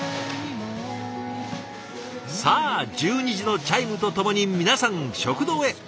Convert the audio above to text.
さあ１２時のチャイムとともに皆さん食堂へ。